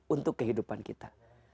untuk kehidupan kita